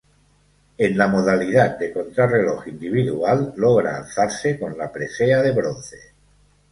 En la modalidad de contrarreloj individual logra alzarse con la presea de bronce.